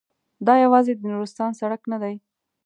دا یوازې د نورستان سړک نه دی.